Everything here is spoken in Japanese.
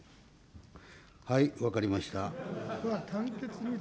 はい、分かりました。